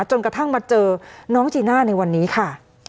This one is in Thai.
จนกระทั่งมาเจอน้องจีน่าในวันนี้ค่ะ